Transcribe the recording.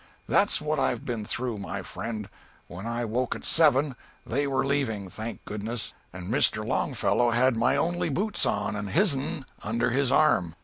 That's what I've been through, my friend. When I woke at seven, they were leaving, thank goodness, and Mr. Longfellow had my only boots on, and his'n under his arm.